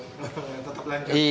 tetap lain kan